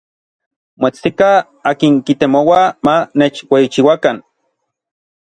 Moetstikaj n akin kitemoua ma nechueyichiuakan.